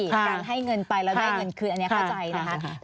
การให้เงินไปแล้วได้เงินคืนอันนี้เข้าใจนะคะ